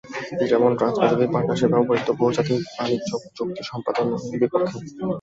যেমন Trans Pacific Partnership নামে পরিচিত বহুজাতিক বাণিজ্য চুক্তি সম্পাদনের বিপক্ষে।